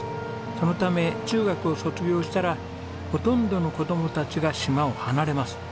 そのため中学を卒業したらほとんどの子供たちが島を離れます。